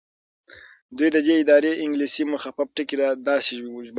دوی د دې ادارې انګلیسي مخفف ټکي داسې ژباړل.